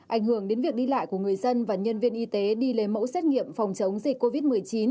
ảnh hưởng đến việc đi lại của người dân và nhân viên y tế đi lấy mẫu xét nghiệm phòng chống dịch covid một mươi chín